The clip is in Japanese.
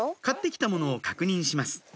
買って来たものを確認します